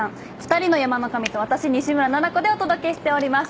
２人の山の神と私、西村菜那子でお届けしています。